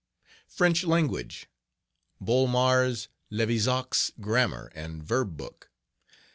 French Language...........Bolmar's Levizac's Grammar and Verb Book.